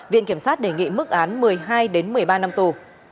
viện kiểm sát đề nghị mức án một mươi hai một mươi ba năm tù